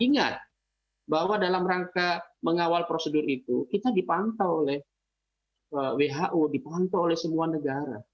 ingat bahwa dalam rangka mengawal prosedur itu kita dipantau oleh who dipantau oleh semua negara